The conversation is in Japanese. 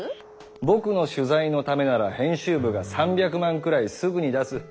僕の取材のためなら編集部が３００万くらいすぐに出す。